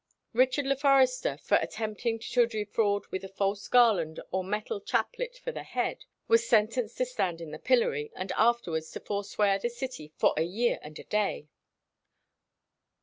Richard le Forester, for attempting to defraud with a false garland or metal chaplet for the head, was sentenced to stand in the pillory, and afterwards to forswear the city for a year and a day.